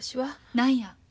何や？